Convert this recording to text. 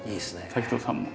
滝藤さんも。